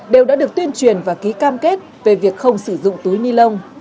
đều đã được tuyên truyền và ký cam kết về việc không sử dụng túi ni lông